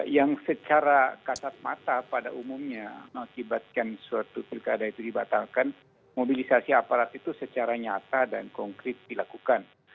yang secara kasat mata pada umumnya mengakibatkan suatu pilkada itu dibatalkan mobilisasi aparat itu secara nyata dan konkret dilakukan